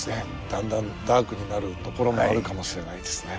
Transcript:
だんだんダークになるところもあるかもしれないですね。